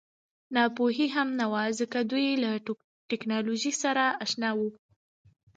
ناپوهي هم نه وه ځکه چې دوی له ټکنالوژۍ سره اشنا وو